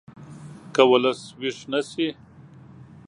که ولس ویښ نه شي